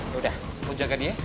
ya udah lu jagain dia ya